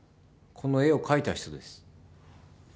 この絵を描いた人です。